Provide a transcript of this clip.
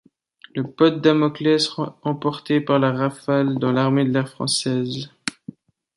Le Pod Damoclès, emporté par le Rafale dans l'armée de l'air française.